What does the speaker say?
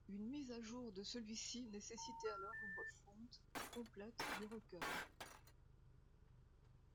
Une mise à jour de celui-ci nécessitait alors une refonte complète du recueil.